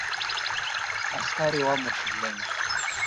Askari wamo shuleni.